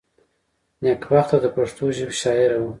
نېکبخته دپښتو ژبي شاعره وه.